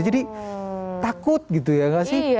jadi takut gitu ya gak sih